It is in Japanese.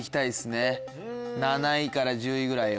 ７位から１０位ぐらいを。